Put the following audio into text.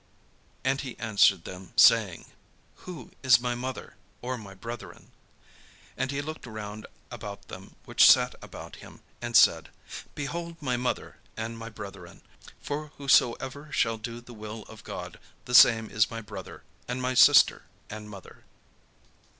And he answered them, saying: "Who is my mother, or my brethren?" And he looked round about on them which sat about him, and said: "Behold my mother and my brethren! For whosoever shall do the will of God, the same is my brother, and my sister, and mother."